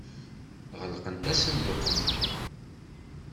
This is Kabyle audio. Ɣelqent asenduq-nni.